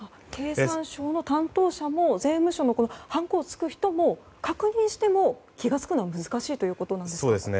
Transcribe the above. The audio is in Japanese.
経産省の担当者も税務署のはんこを押す人も確認しても気が付くのは難しいということですか。